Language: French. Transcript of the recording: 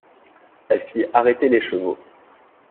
Elle fit arrêter les chevaux.